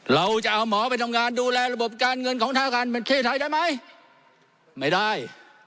เราจะเอาหมอไปทำงานดูแลระบบการเงินของทางการประเทศไทยได้ไหมไม่ได้